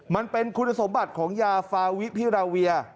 มันเป็นคุณสมบัติของยาฟาวิพิราเวีย